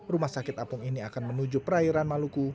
rumah sakit apung ini akan menuju perairan maluku